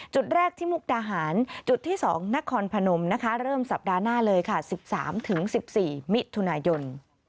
จุดแรกที่มุกดาหารจุดที่๒นครพนมนะคะเริ่มสัปดาห์หน้าเลยค่ะ๑๓๑๔มิถุนายน